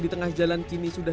di tengah jalan kini sudah